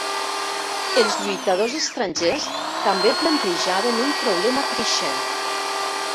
Els lluitadors estrangers també plantejaven un problema creixent.